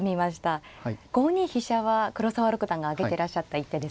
５二飛車は黒沢六段が挙げていらっしゃった一手ですが。